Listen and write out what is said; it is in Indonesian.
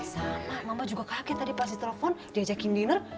sama mama juga kaget tadi pas ditelepon diajakin dinner